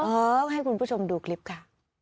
ให้คุณผู้ชมดูคลิปค่ะ